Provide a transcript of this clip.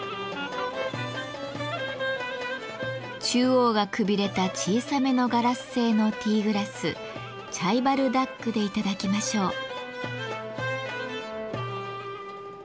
中央がくびれた小さめのガラス製のティーグラスチャイバルダックで頂きましょう。